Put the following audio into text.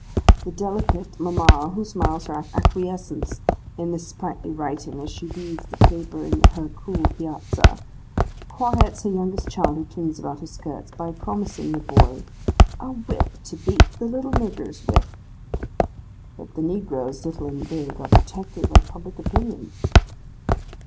The delicate mamma, who smiles her acquiescence in this sprightly writing as she reads the paper in her cool piazza, quiets her youngest child who clings about her skirts, by promising the boy 'a whip to beat the little niggers with.'—But the negroes, little and big, are protected by public opinion.